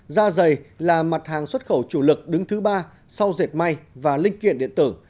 da dày là mặt hàng xuất khẩu chủ lực đứng thứ ba sau dệt may và linh kiện điện tử